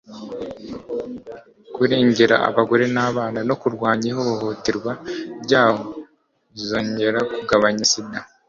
kurengera abagore n'abana no kurwanya ihohoterwa ryabo bizongera kugabanya sida